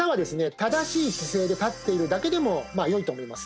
正しい姿勢で立っているだけでもよいと思います